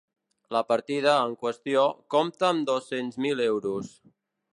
La partida, en qüestió, compta amb dos-cents mil euros.